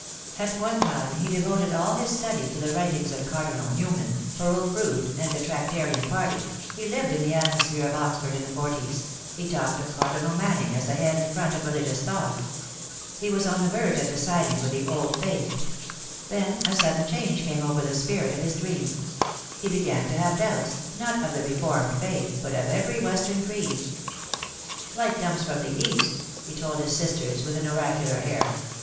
At one time he devoted all his study to the writings of Cardinal New man, Hurrel Froude, and the Tractarian Party — he lived in the atmosphere of Oxford in the forties; he talked of Cardinal Manning as the head and front of religious thought. He was on the verge of deciding for the Old Faith. Then a sudden change came over the spirit of his dream. He began to have doubts, not of the reformed faith, but of every Western creed. "Light comes from the East," he told his sisters with an oracular air.